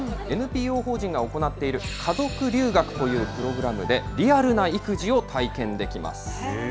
ＮＰＯ法人が行っている、家族留学というプログラムで、リアルな育児を体験できます。